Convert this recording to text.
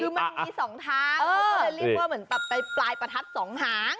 คือมันมีสองทางเขาก็จะได้รีบรวมไปปลายประทัดสองหาง